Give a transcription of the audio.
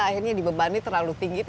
akhirnya dibebani terlalu tinggi